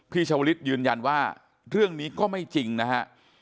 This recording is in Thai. ชาวลิศยืนยันว่าเรื่องนี้ก็ไม่จริงนะฮะ